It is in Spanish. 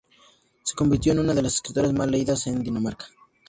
Se convirtió en una de las escritoras más leídas en Dinamarca.